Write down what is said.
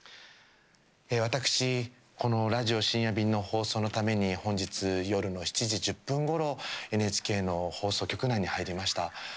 私、このラジオ深夜便の放送のために本日、夜の７時１０分ごろＮＨＫの放送局内に入りました。